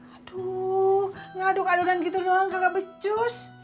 aduh ngaduk aduran gitu doang kagak becus